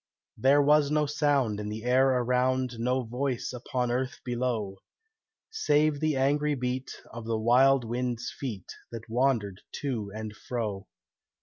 There was no sound in the air around, No voice upon earth below, Save the angry beat of the wild winds' feet, That wandered to and fro.